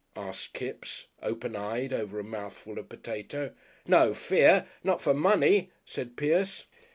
asked Kipps, open eyed, over a mouthful of potato. "No fear. Not for Money," said Pierce.